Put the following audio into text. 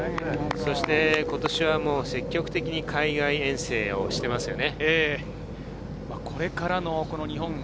今年は積極的に海外遠征をしていますよね。